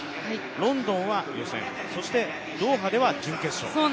ロンドンは予選、そしてドーハでは準決勝。